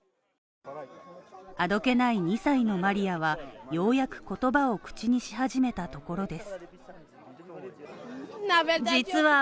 あどけない２歳のマリアはようやく言葉を口にし始めたところです